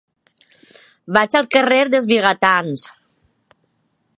Vaig al carrer dels Vigatans.